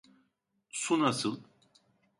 Su nasıl?